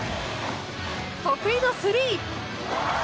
得意のスリー！